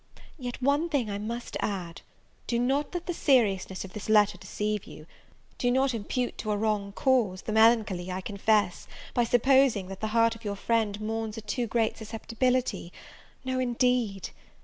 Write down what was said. Yet one thing I must add: do not let the seriousness of this letter deceive you; do not impute to a wrong cause the melancholy I confess, by supposing that the heart of your friend mourns a too great susceptibility: no, indeed!